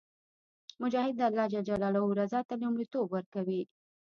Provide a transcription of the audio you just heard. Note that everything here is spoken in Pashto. مجاهد د الله رضا ته لومړیتوب ورکوي.